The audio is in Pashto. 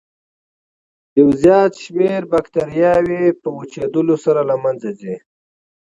یو زیات شمېر باکتریاوې په وچېدلو سره له منځه ځي.